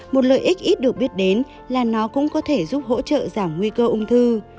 một lợi ích ít được biết đến là nó cũng có thể giúp hỗ trợ giảm nguy cơ ung thư